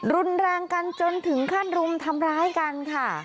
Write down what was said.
รุนร่างจนถึงคจารุมทำร้ายกันค่ะ